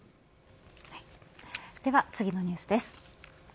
では次のニュースです。